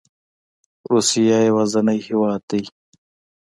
روسیه یوازینی هیواد دی